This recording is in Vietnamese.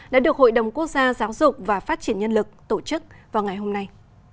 đã được hội đồng quốc gia giáo dục và phát triển nhân lực tổ chức vào ngày hôm nay